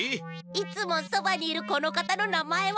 いつもそばにいるこのかたのなまえは？